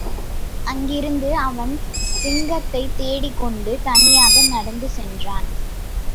அங்கிருந்து அவன் சிங்கத்தைத் தேடிக்கொண்டு தனியாக நடந்து சென்றான்.